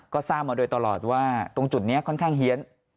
ก็ทราบมาโดยตลอดว่าตรงจุดนี้ค่อนข้างเฮียน